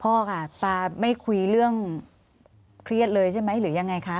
พ่อค่ะตาไม่คุยเรื่องเครียดเลยใช่ไหมหรือยังไงคะ